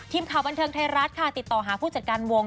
ทีมข่าวบันเทิงไทยรัฐค่ะติดต่อหาผู้จัดการวง